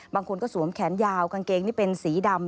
บางคนก็สวมแขนยาวกางเกงนี่เป็นสีดำ